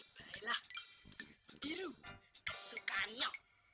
baiklah biru kesukaannya